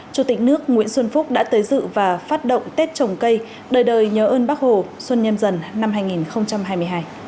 chủ tịch nước nguyễn xuân phúc đã tới dự và phát động tết trồng cây đời đời nhớ ơn bác hồ xuân nhâm dần năm hai nghìn hai mươi hai